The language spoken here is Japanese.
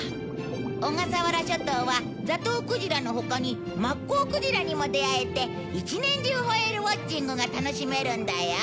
小笠原諸島はザトウクジラの他にマッコウクジラにも出会えて一年中ホエールウォッチングが楽しめるんだよ。